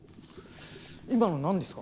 今の何ですか？